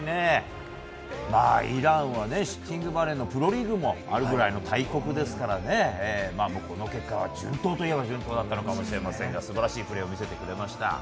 イランはシッティングバレーのプロリーグもあるくらいの大国ですからこの結果は順当といえば順当だったのかもしれませんが素晴らしいプレーを見せてくれました。